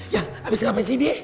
ya habis ngapain sih dia